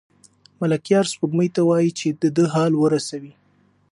ملکیار سپوږمۍ ته وايي چې د ده حال ورسوي.